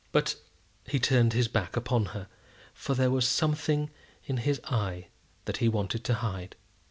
But he turned his back upon her, for there was something in his eye that he wanted to hide.